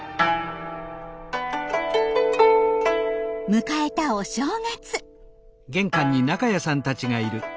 迎えたお正月。